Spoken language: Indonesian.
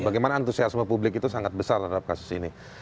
bagaimana antusiasme publik itu sangat besar terhadap kasus ini